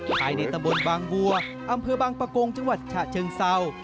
ภายในตะบนบางวัวอำเภอบางปะโกงจังหวัดฉะเชิงเศร้า